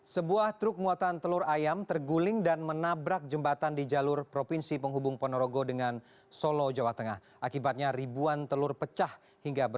saya yang jadi menggantikan kata waktu pagi ini saya masih ingat